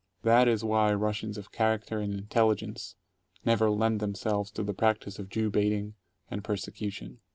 That is why Russians of character and intelli gence never lent themselves to the practice of Jew baiting and per secution.